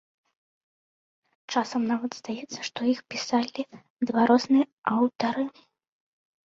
Часам нават здаецца, што іх пісалі два розныя аўтары.